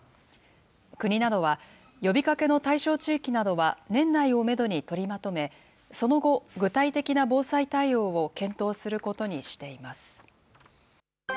国などは、呼びかけの対象地域などは年内をメドに取りまとめ、その後、具体的な防災対応を検討することにしています。